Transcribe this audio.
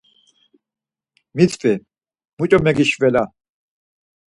Mitzvi, muç̌o megişvela?